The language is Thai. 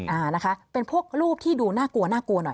อ่านะคะเป็นพวกรูปที่ดูน่ากลัวน่ากลัวหน่อย